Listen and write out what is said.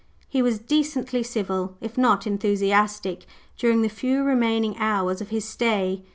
He was decently civil, if not enthusiastic, during the few remaining hours of his stay.